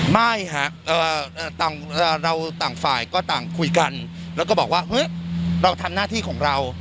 ไม่ฮะเราต่างฝ่ายก็ต่างคุยกันแล้วก็บอกว่าเฮ้ยเราทำหน้าที่ของเรา